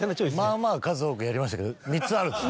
まぁまぁ数多くやりましたけど３つあるんですね。